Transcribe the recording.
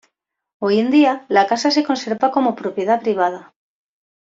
Hoy en día, la casa se conserva como propiedad privada.